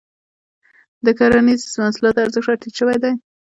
د کرنیزو محصولاتو ارزښت راټيټ شوی دی.